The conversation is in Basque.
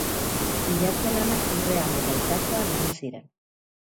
Bilatze lanak lurrean eta itsasoan egin ziren.